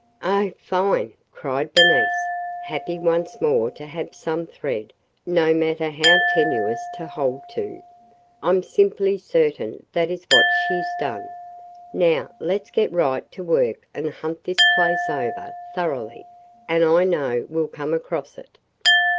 "Oh, fine!" cried Bernice, happy once more to have some thread, no matter how tenuous, to hold to. "I 'm simply certain that is what she 's done. Now let 's get right to work and hunt this place over – thoroughly – and I know we 'll come across it!"